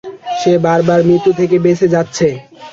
সে বারবার মৃত্যু থেকে বেঁচে যাচ্ছে।